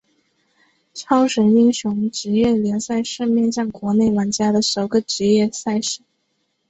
超神英雄职业联赛是面向国内玩家的首个职业赛事。